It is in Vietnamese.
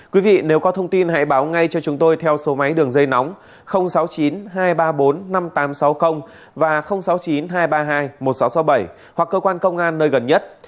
quý vị nếu có thông tin hãy báo ngay cho chúng tôi theo số máy đường dây nóng sáu mươi chín hai trăm ba mươi bốn năm nghìn tám trăm sáu mươi và sáu mươi chín hai trăm ba mươi hai một nghìn sáu trăm sáu mươi bảy hoặc cơ quan công an nơi gần nhất